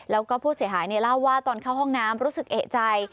แล้วก็ผู้เสียหายเล่าว่าตอนเข้าห้องน้ำรู้สึกเอกใจ